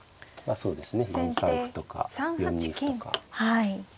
そうですね。